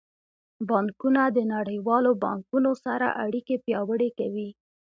بانکونه د نړیوالو بانکونو سره اړیکې پیاوړې کوي.